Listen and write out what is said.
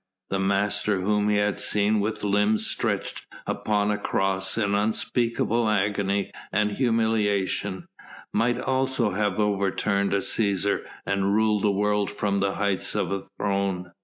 The Master whom he had seen with limbs stretched upon a Cross in unspeakable agony and humiliation, might also have overturned a Cæsar and ruled the world from the heights of a throne.